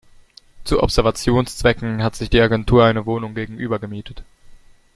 Zu Observationszwecken hat sich die Agentur eine Wohnung gegenüber gemietet.